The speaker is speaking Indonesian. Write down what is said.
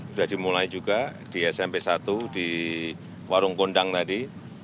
sudah dimulai juga di smp satu di warung kondang tadi